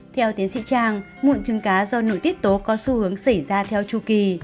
theo tiên sĩ trang mụn chứng cá do nội tiết tố có xu hướng xảy ra theo chu kỳ